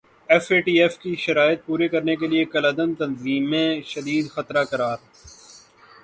F A T F کی شرائط پوری کرنے کیلئے کالعدم تنظیمیںشدید خطرہ قرار